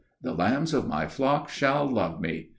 The lambs of my flock shall love me."